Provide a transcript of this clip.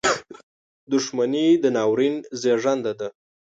• دښمني د ناورین زیږنده ده.